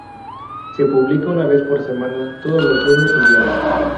Se publica una vez por semana; todos los lunes y viernes.